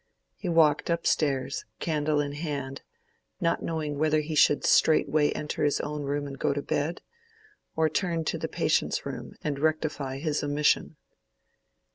He walked up stairs, candle in hand, not knowing whether he should straightway enter his own room and go to bed, or turn to the patient's room and rectify his omission.